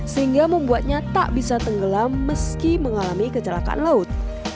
sehingga membuatnya tak bisa tenggelam meski mengalami kecelakaan laut